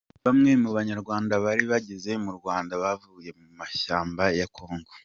Bamwe mu Banyarwanda bari bageze mu Rwanda bavuye mu mashyamba ya kongo.